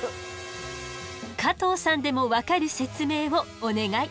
加藤さんでも分かる説明をお願い。